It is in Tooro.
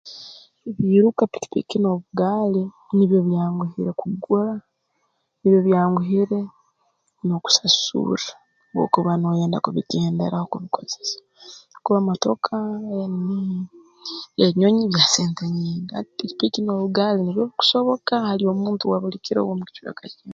Ebiiruka pikipiki n'obugaali nibyo byanguhire kugura nibyo byanguhire n'okusasurra obu okuba nooyenda kubigenderaho kubikozesa habwokuba motoka mmh enyonyi za sente nyingi pikipiki n'obugaali nibyo bikusoboka hali omuntu owa buli kiro ow'omu kicweka kinu